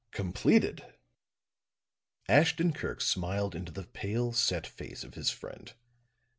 "Completed!" Ashton Kirk smiled into the pale, set face of his friend.